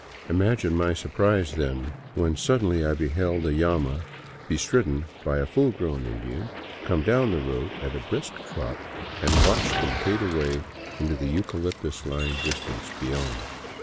Imagine my surprise, then, when suddenly I beheld a llama bestridden by a full grown Indian come down the road at a brisk trot, and watched them fade away in the eucalyptus lined distance beyond.